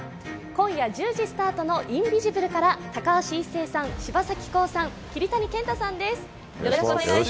今夜１０時スタートの「インビジブル」から高橋一生さん、柴咲コウさん桐谷健太さんです。